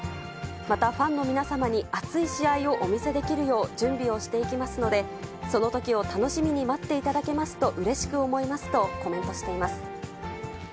またファンの皆様に熱い試合をお見せできるよう準備をしていきますので、そのときを楽しみに待っていただけますと、うれしく思いますとコメントしています。